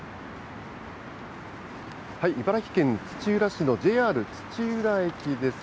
茨城県土浦市のＪＲ土浦駅です。